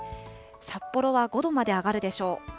札幌は５度まで上がるでしょう。